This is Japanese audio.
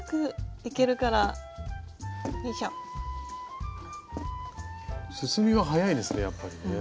進みが早いですねやっぱりね。